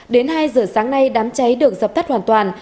đến hai giờ sáng nay đám cháy được dập tắt hoàn toàn